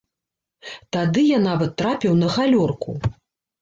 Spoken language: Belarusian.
Тады я нават трапіў на галёрку.